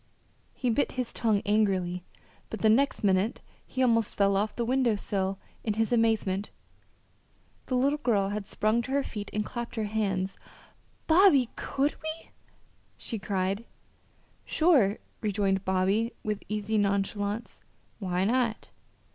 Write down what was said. He bit his tongue angrily, but the next minute he almost fell off the window sill in his amazement the little girl had sprung to her feet and clapped her hands. "Bobby, could we?" she cried. "Sure!" rejoined Bobby with easy nonchalance. "Why not?"